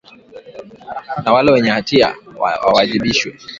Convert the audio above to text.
na wale wenye hatia wawajibishwe